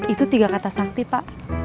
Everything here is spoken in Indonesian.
itu tiga kata sakti pak